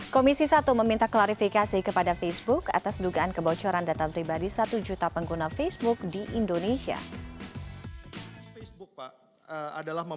komisi satu meminta klarifikasi kepada facebook atas dugaan kebocoran data pribadi satu juta pengguna facebook di indonesia